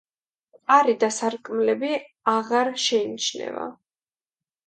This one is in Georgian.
კარი და სარკმლები აღარ შეიმჩნევა.